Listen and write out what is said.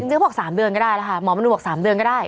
คุณก็บอก๓เดือนก็ได้นะคะหมอมณุบอก๓เดือนก็ได้